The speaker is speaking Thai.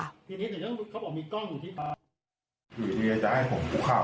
ทีนี้เขาบอกว่ามีกล้องอยู่ที่ฟ้า